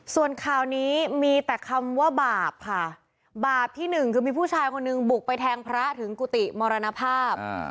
ส่วนข่าวนี้มีแต่คำว่าบาปค่ะบาปที่หนึ่งคือมีผู้ชายคนหนึ่งบุกไปแทงพระถึงกุฏิมรณภาพ